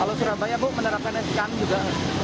kalau surabaya bu menerapkan skm juga